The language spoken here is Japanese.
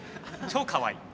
超かわいい。